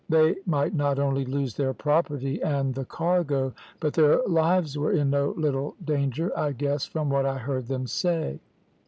They might not only lose their property and the cargo, but their lives were in no little danger, I guessed, from what I heard them say.